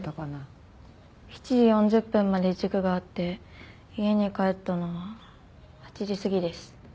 ７時４０分まで塾があって家に帰ったのは８時過ぎです。